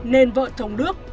nên vợ thống đức